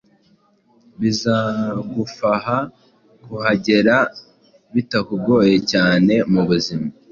bizagufaha kuhagera btakugoye cyane mubuzima